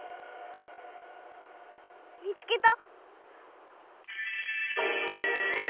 見つけた！